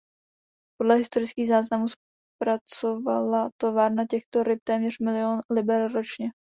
Podle historických záznamů zpracovala továrna těchto ryb téměř milión liber ročně.